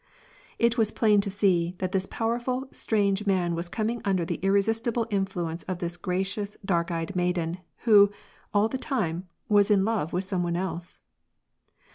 It was plain to see, that this powerful, strange man was eoming under the irresistible influence of this gracious dark eyed maiden, who,' all the time, was in love with some one else.